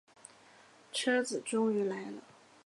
车子终于来了